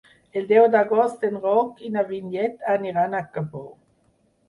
El deu d'agost en Roc i na Vinyet aniran a Cabó.